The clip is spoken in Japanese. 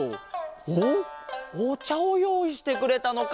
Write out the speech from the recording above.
おっおちゃをよういしてくれたのか。